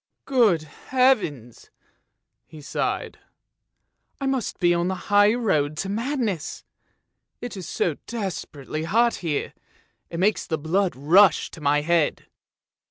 " Good heavens! " he sighed, " I must be on the high road to madness ! It is so desperately hot here, it makes the blood rush to my head!